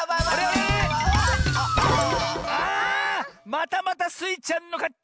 またまたスイちゃんのかち！